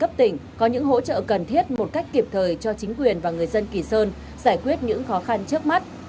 cấp tỉnh có những hỗ trợ cần thiết một cách kịp thời cho chính quyền và người dân kỳ sơn giải quyết những khó khăn trước mắt